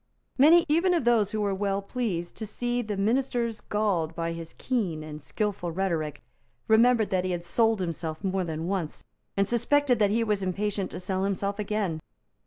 Many, even of those who were well pleased to see the ministers galled by his keen and skilful rhetoric, remembered that he had sold himself more than once, and suspected that he was impatient to sell himself again.